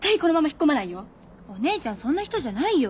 お姉ちゃんそんな人じゃないよ。